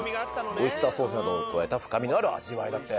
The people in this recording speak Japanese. オイスターソースなどを加えた深みのある味わいだって。